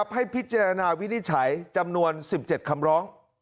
ให้พิจารณาวินิจฉัยจำนวน๑๗คำร้อง